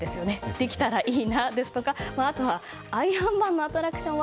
できたらいいなですとかあとは「アイアンマン」のアトラクションは？